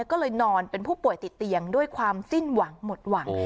ก็เลยนอนเป็นผู้ป่วยติดเตียงด้วยความสิ้นหวังหมดหวัง